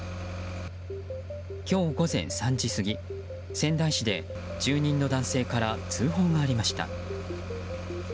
今日午前３時過ぎ、仙台市で住人の男性から通報がありました。